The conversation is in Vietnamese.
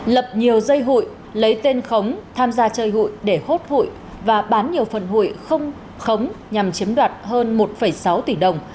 lập nhiều dây hụi lấy tên khống tham gia chơi hụi để hốt hụi và bán nhiều phần hụi không khống nhằm chiếm đoạt hơn một sáu tỷ đồng